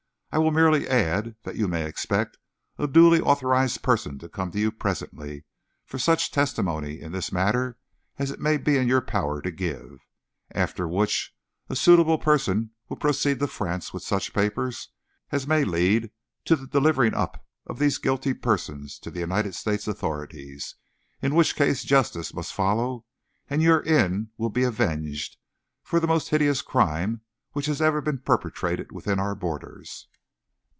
I will merely add that you may expect a duly authorized person to come to you presently for such testimony in this matter as it may be in your power to give; after which a suitable person will proceed to France with such papers as may lead to the delivering up of these guilty persons to the United States authorities; in which case justice must follow, and your inn will be avenged for the most hideous crime which has ever been perpetrated within our borders.